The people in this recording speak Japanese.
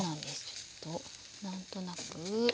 ちょっと何となく。